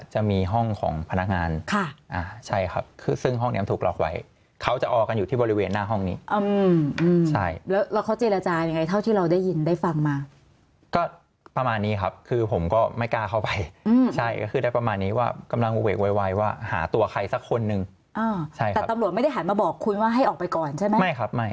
ห้องของพนักงานค่ะอ่าใช่ครับคือซึ่งห้องนี้มันถูกหลอกไว้เขาจะออกกันอยู่ที่บริเวณหน้าห้องนี้อืมอืมใช่แล้วแล้วเขาเจรจายังไงเท่าที่เราได้ยินได้ฟังมาก็ประมาณนี้ครับคือผมก็ไม่กล้าเข้าไปอืมใช่ก็คือได้ประมาณนี้ว่ากำลังเววเวกเวยเวยว่าหาตัวใครสักคนหนึ่งอ่าใช่